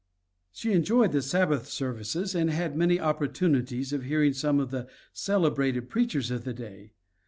She enjoyed the Sabbath services and had many opportunities of hearing some of the celebrated preachers of the day.